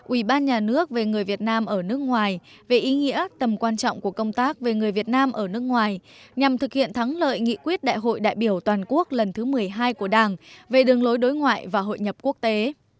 ủy ban nhà nước về người việt nam ở nước ngoài về ý nghĩa tầm quan trọng của công tác về người việt nam ở nước ngoài nhằm thực hiện thắng lợi nghị quyết đại hội đại biểu toàn quốc lần thứ một mươi hai của đảng về đường lối đối ngoại và hội nhập quốc tế